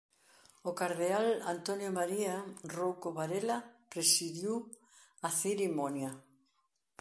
O cardeal Antonio María Rouco Varela presidiu a cerimonia.